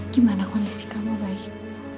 gimana kondisi kamu baik